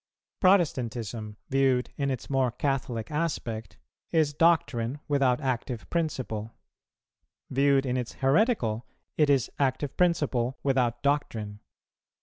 Protestantism, viewed in its more Catholic aspect, is doctrine without active principle; viewed in its heretical, it is active principle without doctrine.